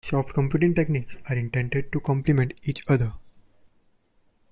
Soft computing techniques are intended to complement each other.